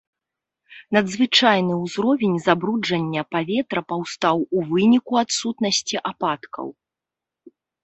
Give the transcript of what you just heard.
Надзвычайны ўзровень забруджання паветра паўстаў у выніку адсутнасці ападкаў.